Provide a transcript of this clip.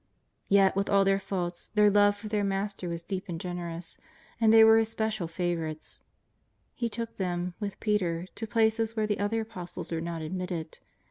Yet with all their faults, their love for their Master was deep and generous, and they were His special fa vourites. He took them, with Peter, to places where the other xlpostles were not admitted.